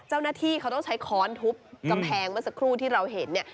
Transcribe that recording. เจ้าหน้าที่เขาต้องใช้ค้อนทุบกำแพงเมื่อสักครู่ที่เราเห็นเนี่ย